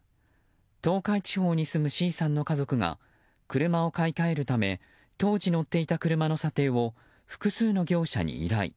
東海地方に住むＣさんの家族が車を買い替えるため当時乗っていた車の査定を複数の業者に依頼。